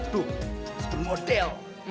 tuh super model